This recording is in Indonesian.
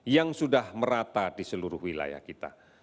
yang sudah merata di seluruh wilayah kita